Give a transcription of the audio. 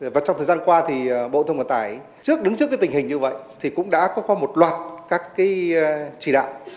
và trong thời gian qua thì bộ thông vận tải trước đứng trước cái tình hình như vậy thì cũng đã có một loạt các cái chỉ đạo